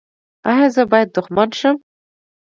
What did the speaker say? ایا زه باید دښمن شم؟